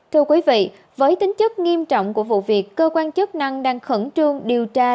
thưa quý vị với tính chất nghiêm trọng của vụ việc cơ quan chức năng đang khẩn trương điều tra